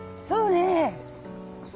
そうね。